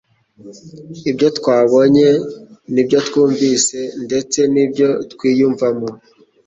ibyo twabonye, n'ibyo twumvise ndetse n'ibyo twiyumvamo.